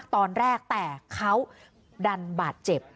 ตอนแรกแต่เขาดันบาดเจ็บ